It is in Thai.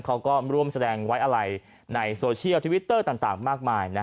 เขาก็ร่วมแสดงไว้อะไรในโซเชียลทวิตเตอร์ต่างมากมาย